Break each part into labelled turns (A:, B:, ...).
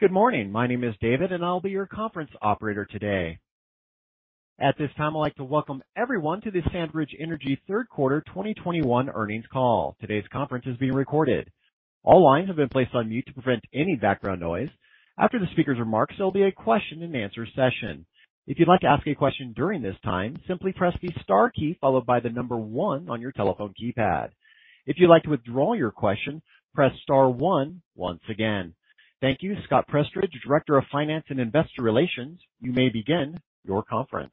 A: Good morning. My name is David, and I'll be your conference operator today. At this time, I'd like to welcome everyone to the SandRidge Energy third quarter 2021 earnings call. Today's conference is being recorded. All lines have been placed on mute to prevent any background noise. After the speaker's remarks, there'll be a question-and-answer session. If you'd like to ask a question during this time, simply press the star key followed by the number one on your telephone keypad. If you'd like to withdraw your question, press star one once again. Thank you. Scott Prestridge, Director of Finance and Investor Relations, you may begin your conference.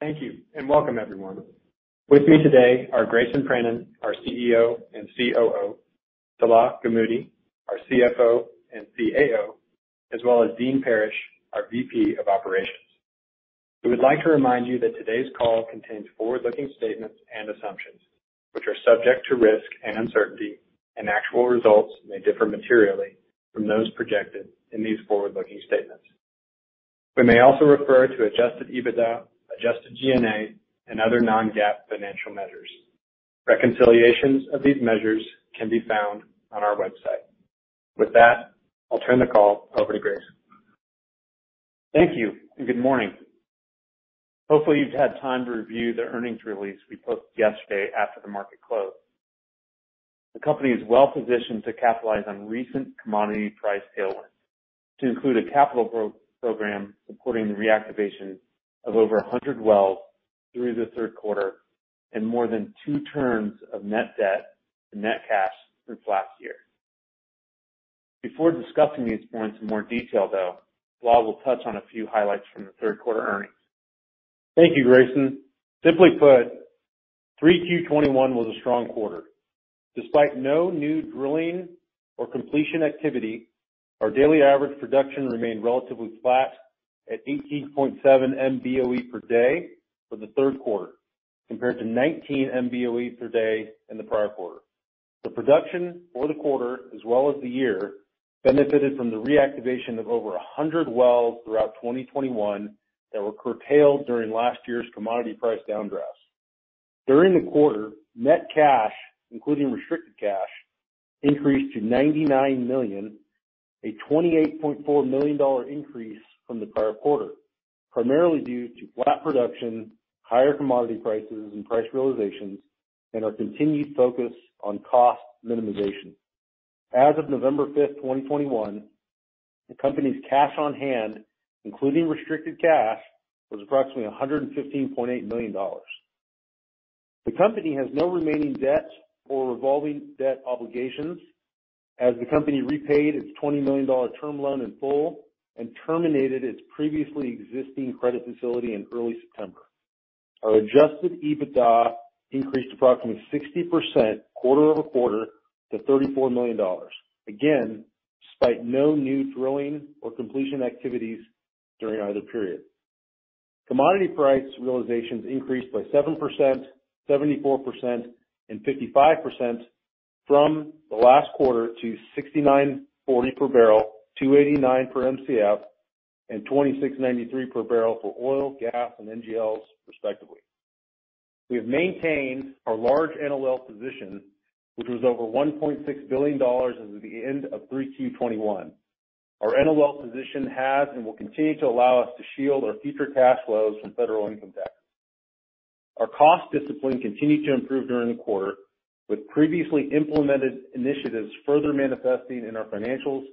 B: Thank you, and welcome everyone. With me today are Grayson Pranin, our CEO and COO, Salah Gamoudi, our CFO and CAO, as well as Dean Parrish, our VP of Operations. We would like to remind you that today's call contains forward-looking statements and assumptions, which are subject to risk and uncertainty, and actual results may differ materially from those projected in these forward-looking statements. We may also refer to adjusted EBITDA, adjusted G&A, and other non-GAAP financial measures. Reconciliations of these measures can be found on our website. With that, I'll turn the call over to Grayson.
C: Thank you, and good morning. Hopefully, you've had time to review the earnings release we posted yesterday after the market closed. The company is well-positioned to capitalize on recent commodity price tailwinds, to include a capital program supporting the reactivation of over 100 wells through the third quarter and more than two turns of net debt to net cash since last year. Before discussing these points in more detail, though, Salah will touch on a few highlights from the third quarter earnings.
D: Thank you, Grayson. Simply put, Q3 2021 was a strong quarter. Despite no new drilling or completion activity, our daily average production remained relatively flat at 18.7 MBoe per day for the third quarter, compared to 19 MBoe per day in the prior quarter. The production for the quarter as well as the year benefited from the reactivation of over 100 wells throughout 2021 that were curtailed during last year's commodity price downdrafts. During the quarter, net cash, including restricted cash, increased to $99 million, a $28.4 million increase from the prior quarter, primarily due to flat production, higher commodity prices and price realizations, and our continued focus on cost minimization. As of November 5th, 2021, the company's cash on hand, including restricted cash, was approximately $115.8 million. The company has no remaining debts or revolving debt obligations, as the company repaid its $20 million term loan in full and terminated its previously existing credit facility in early September. Our adjusted EBITDA increased approximately 60% quarter-over-quarter to $34 million, again, despite no new drilling or completion activities during either period. Commodity price realizations increased by 7%, 74%, and 55% from the last quarter to $69.40 per barrel, $2.89 per Mcf, and $26.93 per barrel for oil, gas, and NGLs, respectively. We have maintained our large NOL position, which was over $1.6 billion as of the end of 3Q 2021. Our NOL position has and will continue to allow us to shield our future cash flows from federal income tax. Our cost discipline continued to improve during the quarter, with previously implemented initiatives further manifesting in our financials,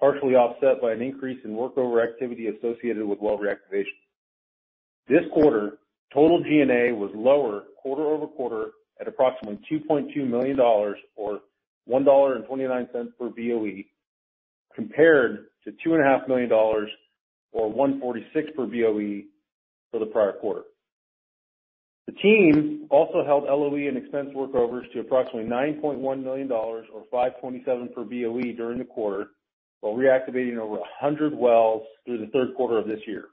D: partially offset by an increase in workover activity associated with well reactivation. This quarter, total G&A was lower quarter-over-quarter at approximately $2.2 million or $1.29 per Boe, compared to $2.5 million or $1.46 per Boe for the prior quarter. The teams also held LOE and expense workovers to approximately $9.1 million or $5.27 per Boe during the quarter, while reactivating over 100 wells through the third quarter of this year.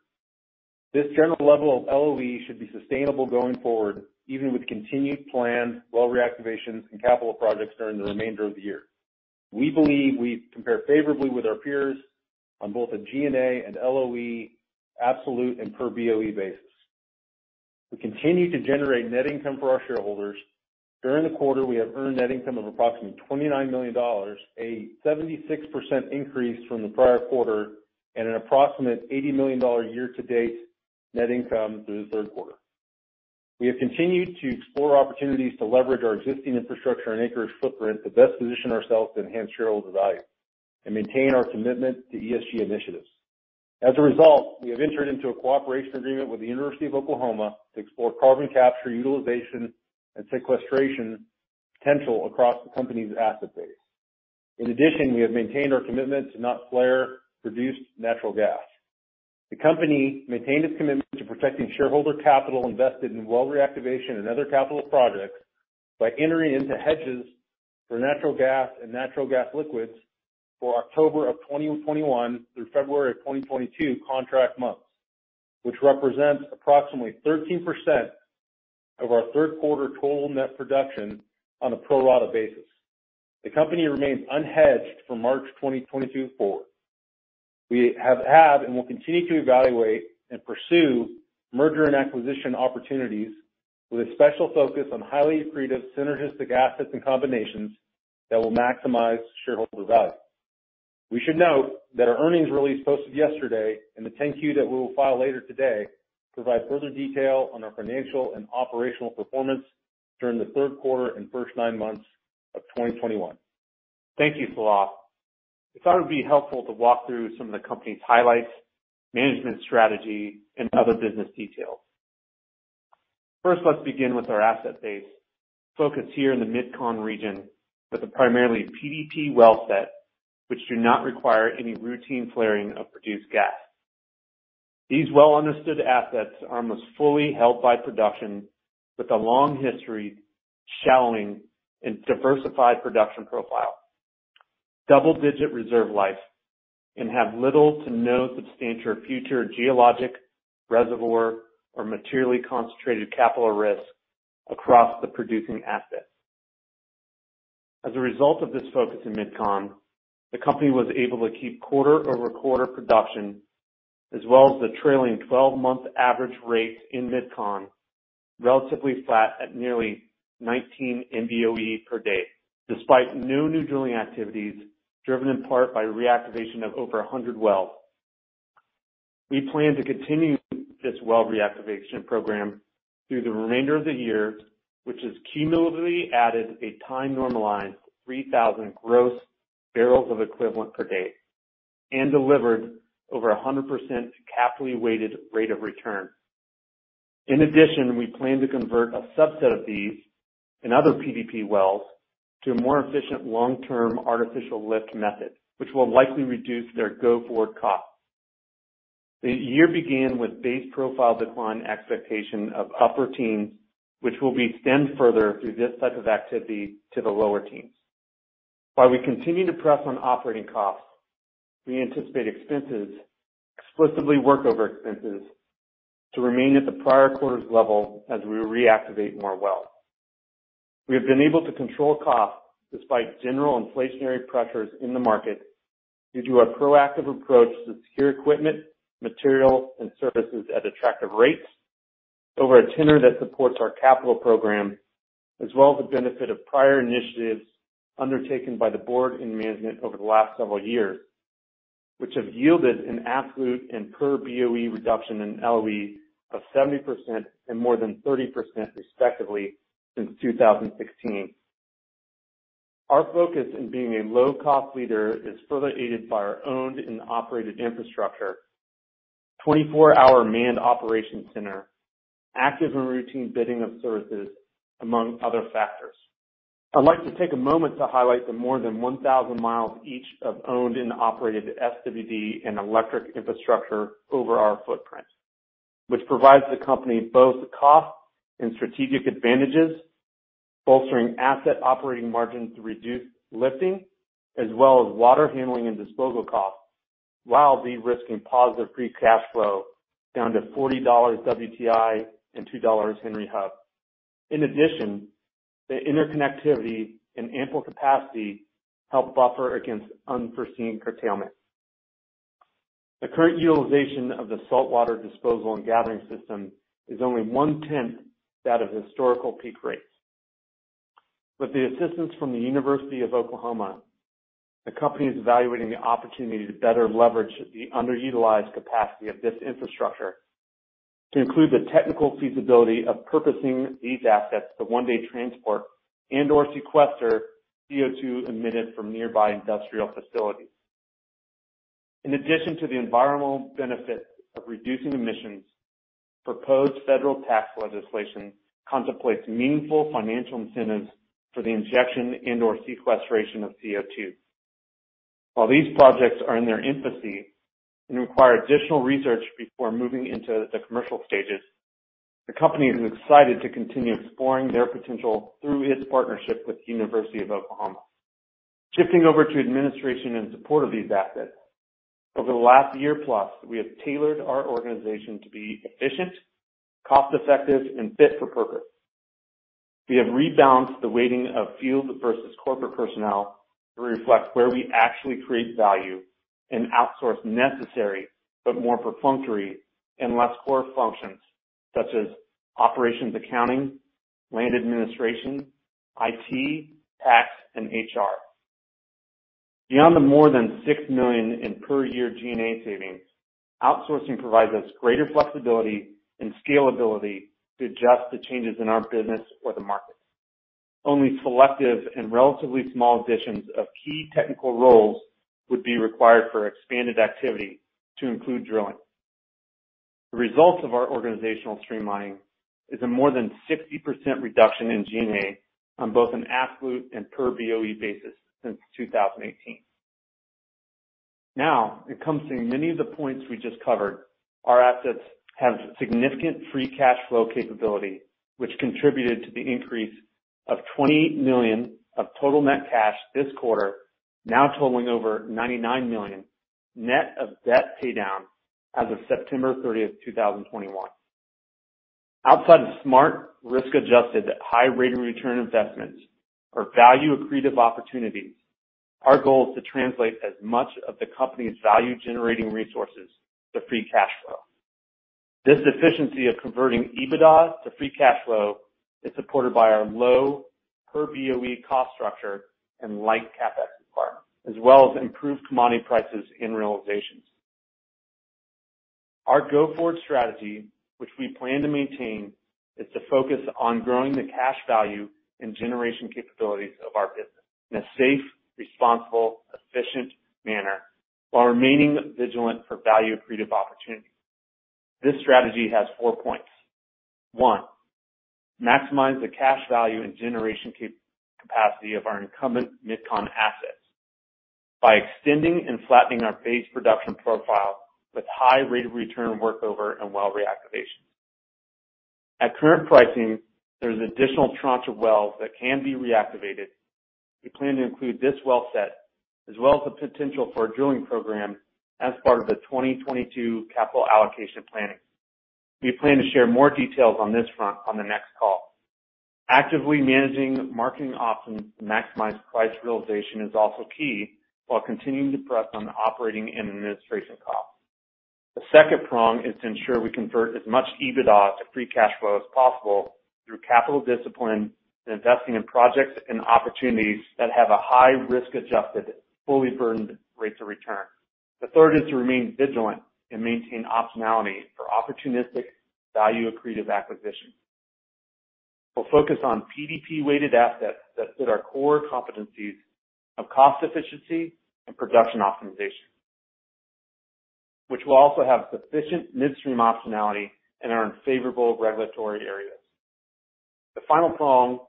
D: This general level of LOE should be sustainable going forward, even with continued planned well reactivations and capital projects during the remainder of the year. We believe we compare favorably with our peers on both a G&A and LOE absolute and per Boe basis. We continue to generate net income for our shareholders. During the quarter, we have earned net income of approximately $29 million, a 76% increase from the prior quarter, and an approximate $80 million year-to-date net income through the third quarter. We have continued to explore opportunities to leverage our existing infrastructure and acreage footprint to best position ourselves to enhance shareholder value and maintain our commitment to ESG initiatives. As a result, we have entered into a cooperation agreement with the University of Oklahoma to explore carbon capture, utilization, and sequestration potential across the company's asset base. In addition, we have maintained our commitment to not flare or reduce natural gas. The company maintained its commitment to protecting shareholder capital invested in well reactivation and other capital projects by entering into hedges for natural gas and natural gas liquids for October 2021 through February 2022 contract months, which represents approximately 13% of our third quarter total net production on a pro rata basis. The company remains unhedged for March 2022 forward. We have had and will continue to evaluate and pursue merger and acquisition opportunities with a special focus on highly accretive, synergistic assets and combinations that will maximize shareholder value. We should note that our earnings release posted yesterday and the 10-Q that we will file later today provide further detail on our financial and operational performance during the third quarter and first nine months of 2021.
C: Thank you, Salah. I thought it would be helpful to walk through some of the company's highlights, management strategy, and other business details. First, let's begin with our asset base. Focus here in the MidCon region with a primarily PDP well set, which do not require any routine flaring of produced gas. These well-understood assets are almost fully held by production with a long history, shallowing, and diversified production profile. Double-digit reserve life, have little to no substantial future geologic reservoir or materially concentrated capital risk across the producing assets. As a result of this focus in MidCon, the company was able to keep quarter-over-quarter production as well as the trailing twelve-month average rate in MidCon relatively flat at nearly 19 MBoe per day, despite no new drilling activities driven in part by reactivation of over 100 wells. We plan to continue this well reactivation program through the remainder of the year, which has cumulatively added a time-normalized 3,000 gross barrels of oil equivalent per day and delivered over 100% capital-weighted rate of return. In addition, we plan to convert a subset of these and other PDP wells to a more efficient long-term artificial lift method, which will likely reduce their go-forward costs. The year began with base profile decline expectation of upper teens, which will be extended further through this type of activity to the lower teens. While we continue to press on operating costs, we anticipate expenses, explicitly workover expenses, to remain at the prior quarter's level as we reactivate more wells. We have been able to control costs despite general inflationary pressures in the market due to a proactive approach to secure equipment, materials, and services at attractive rates over a tenor that supports our capital program, as well as the benefit of prior initiatives undertaken by the Board and management over the last several years, which have yielded an absolute and per Boe reduction in LOE of 70% and more than 30% respectively since 2016. Our focus in being a low-cost leader is further aided by our owned and operated infrastructure, 24-hour manned operation center, active and routine bidding of services, among other factors. I'd like to take a moment to highlight the more than 1,000 miles each of owned and operated SWD and gathering infrastructure over our footprint, which provides the company both cost and strategic advantages, bolstering asset operating margins through reduced lifting as well as water handling and disposal costs, while de-risking positive free cash flow down to $40 WTI and $2 Henry Hub. In addition, the interconnectivity and ample capacity help buffer against unforeseen curtailment. The current utilization of the saltwater disposal and gathering system is only one-tenth that of historical peak rates. With the assistance from the University of Oklahoma, the company is evaluating the opportunity to better leverage the underutilized capacity of this infrastructure to include the technical feasibility of purchasing these assets to one day transport and/or sequester CO2 emitted from nearby industrial facilities. In addition to the environmental benefits of reducing emissions, proposed federal tax legislation contemplates meaningful financial incentives for the injection and/or sequestration of CO2. While these projects are in their infancy and require additional research before moving into the commercial stages, the company is excited to continue exploring their potential through its partnership with the University of Oklahoma. Shifting over to administration in support of these assets. Over the last year plus, we have tailored our organization to be efficient, cost-effective, and fit for purpose. We have rebalanced the weighting of field versus corporate personnel to reflect where we actually create value and outsource necessary but more perfunctory and less core functions such as operations accounting, land administration, IT, tax, and HR. Beyond the more than $6 million per year G&A savings, outsourcing provides us greater flexibility and scalability to adjust to changes in our business or the market. Only selective and relatively small additions of key technical roles would be required for expanded activity to include drilling. The results of our organizational streamlining is a more than 60% reduction in G&A on both an absolute and per Boe basis since 2018. Now, it comes to many of the points we just covered. Our assets have significant free cash flow capability, which contributed to the increase of $20 million of total net cash this quarter, now totaling over $99 million, net of debt paydown as of September 30th, 2021. Outside of smart, risk-adjusted, high rate of return investments or value-accretive opportunities, our goal is to translate as much of the company's value-generating resources to free cash flow. This efficiency of converting EBITDA to free cash flow is supported by our low per Boe cost structure and light CapEx requirements as well as improved commodity prices and realizations. Our go-forward strategy, which we plan to maintain, is to focus on growing the cash value and generation capabilities of our business in a safe, responsible, efficient manner while remaining vigilant for value-accretive opportunities. This strategy has four points. One. Maximize the cash value and generation capacity of our incumbent MidCon assets by extending and flattening our base production profile with high rate of return workover and well reactivation. At current pricing, there's an additional tranche of wells that can be reactivated. We plan to include this well set, as well as the potential for a drilling program, as part of the 2022 capital allocation planning. We plan to share more details on this front on the next call. Actively managing marketing options to maximize price realization is also key, while continuing to press on the operating and administrative costs. The second prong is to ensure we convert as much EBITDA to free cash flow as possible through capital discipline and investing in projects and opportunities that have a high risk-adjusted, fully burdened rates of return. The third is to remain vigilant and maintain optionality for opportunistic value-accretive acquisitions. We'll focus on PDP-weighted assets that fit our core competencies of cost efficiency and production optimization, which will also have sufficient midstream optionality and are in favorable regulatory areas. The final prong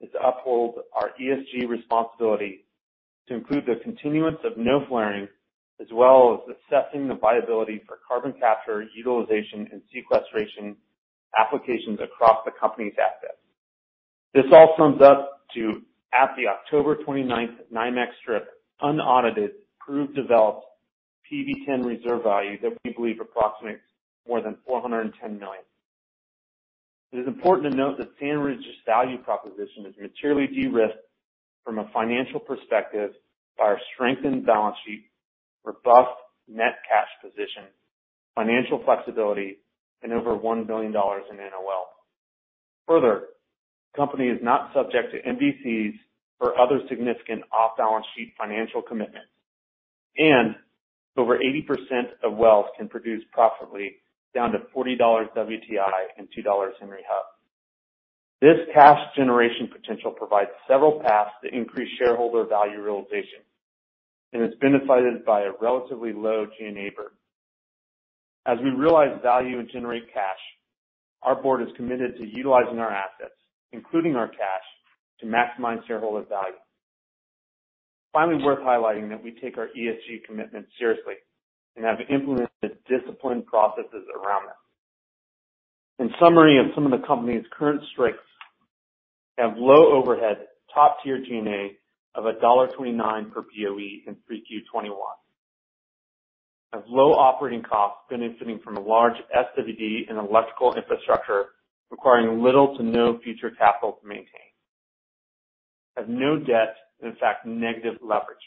C: is to uphold our ESG responsibility to include the continuance of no flaring, as well as assessing the viability for carbon capture, utilization, and sequestration applications across the company's assets. This all sums up to, at the October 29th, NYMEX strip unaudited proved developed PV-10 reserve value that we believe approximates more than $410 million. It is important to note that SandRidge's value proposition is materially de-risked from a financial perspective by our strengthened balance sheet, robust net cash position, financial flexibility, and over $1 billion in NOL. Further, the company is not subject to MVCs or other significant off-balance sheet financial commitments, and over 80% of wells can produce profitably down to $40 WTI and $2 in rehab. This cash generation potential provides several paths to increase shareholder value realization, and it's benefited by a relatively low G&A burden. As we realize value and generate cash, our board is committed to utilizing our assets, including our cash, to maximize shareholder value. Finally, worth highlighting that we take our ESG commitment seriously and have implemented disciplined processes around them. In summary, of some of the company's current strengths, we have low overhead, top-tier G&A of $1.29 per Boe in 3Q 2021. Have low operating costs benefiting from a large SWD and electrical infrastructure requiring little to no future capital to maintain. Have no debt, in fact, negative leverage.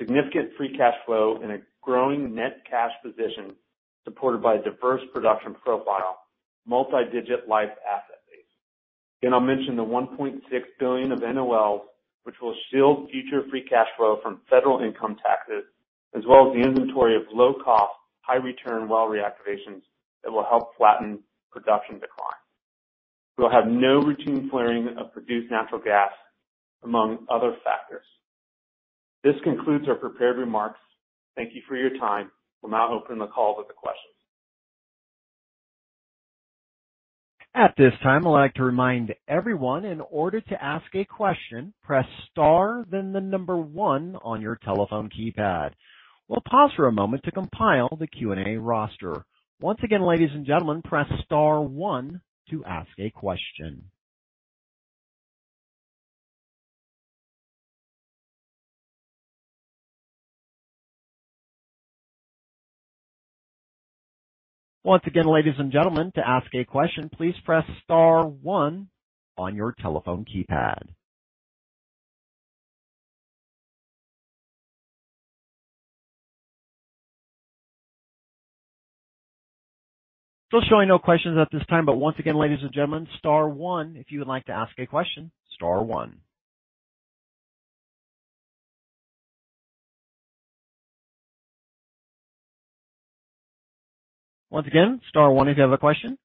C: Significant free cash flow and a growing net cash position supported by a diverse production profile, multi-digit life asset base. I'll mention the $1.6 billion of NOLs, which will shield future free cash flow from federal income taxes, as well as the inventory of low-cost, high-return well reactivations that will help flatten production decline. We'll have no routine flaring of produced natural gas, among other factors. This concludes our prepared remarks. Thank you for your time. We'll now open the call to the questions.
A: At this time, I'd like to remind everyone, in order to ask a question, press star then the number one on your telephone keypad. We'll pause for a moment to compile the Q&A roster. Once again, ladies and gentlemen, press star one to ask a question. Once again, ladies and gentlemen, to ask a question, please press star one on your telephone keypad. Still showing no questions at this time, but once again, ladies and gentlemen, star one if you would like to ask a question. Star one. Once again, star one if you have a question.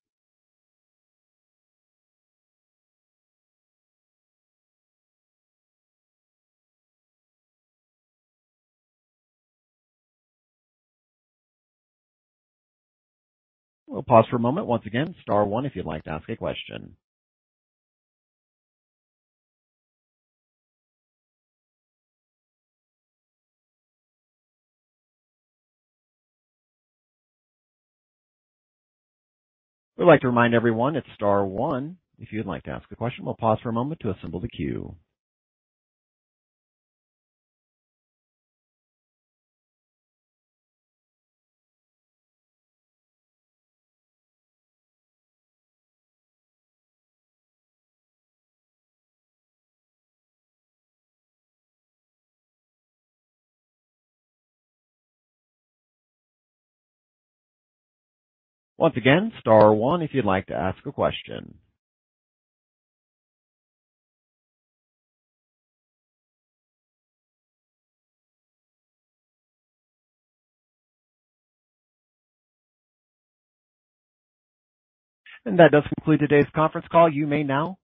A: We'll pause for a moment. Once again, star one if you'd like to ask a question. We'd like to remind everyone it's star one if you'd like to ask a question. We'll pause for a moment to assemble the queue. Once again, star one if you'd like to ask a question. That does conclude today's conference call. You may now disconnect.